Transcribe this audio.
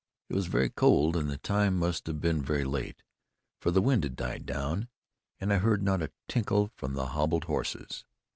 It was very cold and the time must have been very late, for the wind had died down, and I heard not a tinkle from the hobbled horses.